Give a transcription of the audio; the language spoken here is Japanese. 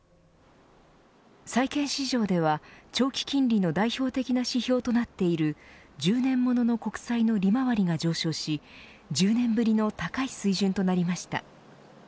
債券市場では長期金利の代表的な指標となっている１０年物の国債の利回りが上昇し１０年ぶりの高い水準となりました。